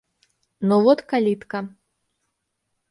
– Но вот калитка.